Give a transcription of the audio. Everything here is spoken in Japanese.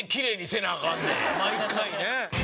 毎回ね。